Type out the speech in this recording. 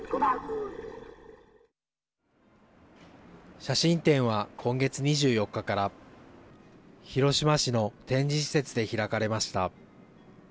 写真展は今月２４日から広島市の展示施設で開かれました。